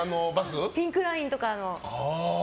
ピンクラインとかの。